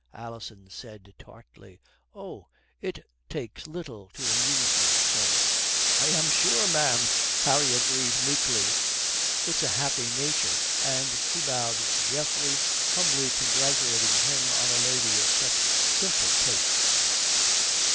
Alison said tartly, "Oh, it takes little to amuse me, sir." "I am sure, ma'am," Harry agreed meekly. "It's a happy nature." and he bowed to Geoffrey, humbly congratulating him on a lady of such simple tastes.